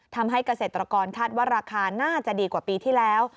ทำให้เกษตรกรคาดว่าราคาน่าจะดีกว่าปีที่แล้ว